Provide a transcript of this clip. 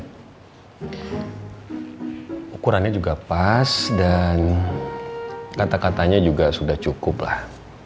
ukurannya juga pas dan kata katanya juga sudah cukup lah